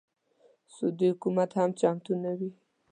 سعودي حکومت هم چمتو نه وي.